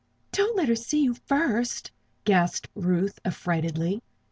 "Don't let her see you first!" gasped Ruth, affrightedly.